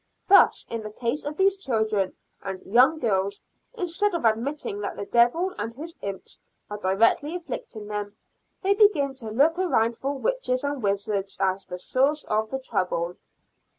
Thus in the cases of these children and young girls, instead of admitting that the devil and his imps are directly afflicting them, they begin to look around for witches and wizards as the sources of the trouble."